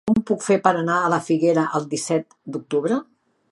Com ho puc fer per anar a la Figuera el disset d'octubre?